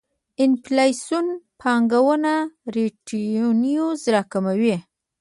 انفلاسیون پانګونه ريټرنز راکموي.